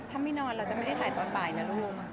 ถ้าไม่นอนเราจะไม่ได้ถ่ายตอนบ่ายนะลูก